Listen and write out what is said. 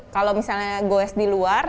kalau misalnya goes di luar